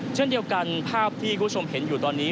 เช่นเดียวกันภาพที่คุณผู้ชมเห็นอยู่ตอนนี้